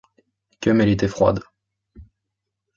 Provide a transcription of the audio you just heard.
Comme elle était froide!